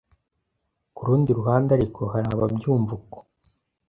Ku rundi ruhande ariko hari ababyumva uko